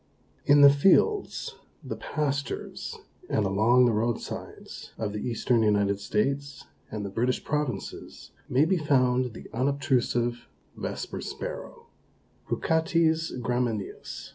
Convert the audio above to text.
In the fields, the pastures and along the roadsides of the Eastern United States and the British Provinces may be found the unobtrusive Vesper Sparrow (Poocaetes gramineus).